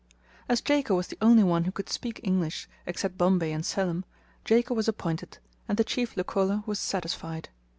As Jako was the only one who could speak English, except Bombay and Selim, Jako was appointed, and the chief Leucole was satisfied.